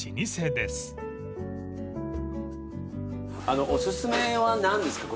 あのうお薦めは何ですか？